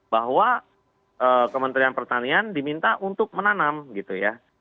bahwa kementerian pertanian diminta untuk menanam gitu ya